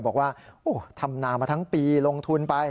บอกว่าทำนามาทั้งปีลงทุนไป